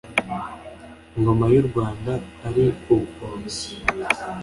Ingoma y’u Rwanda ari ubukombe